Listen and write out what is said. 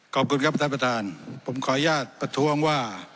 ขอบคุณครับท่านประธานผมขออนุญาตประท้วงว่า